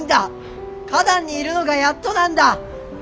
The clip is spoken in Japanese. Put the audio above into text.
花壇にいるのがやっとなんだ！